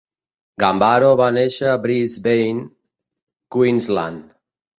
Gambaro va néixer a Brisbane, Queensland.